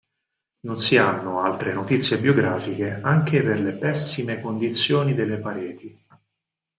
Non si hanno altre notizie biografiche anche per le pessime condizioni delle pareti.